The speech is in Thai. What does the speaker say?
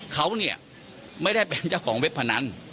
เขาเนี่ยไม่ได้เป็นเจ้าของเว็บพนัน